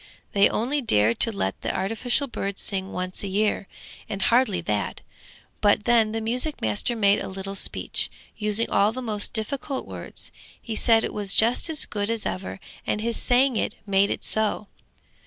They only dared to let the artificial bird sing once a year, and hardly that; but then the music master made a little speech, using all the most difficult words. He said it was just as good as ever, and his saying it made it so.